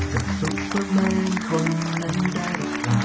จะสุขกับแม่งคนนั้นได้หรือเปล่า